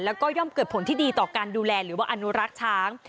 แล้วก็ย่อมเกิดผลที่ดีต่อการดูแลหรือว่าอนุรักษ์ช้าง